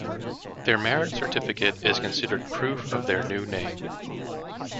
Their marriage certificate is considered proof of their new name.